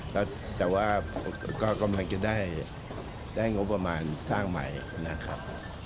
แล้วแต่ว่าก็กำลังจะได้งบประมาณสร้างใหม่นะครับ